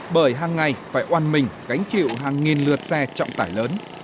bởi hàng ngày phải oan mình gánh chịu hàng nghìn lượt xe trọng tải lớn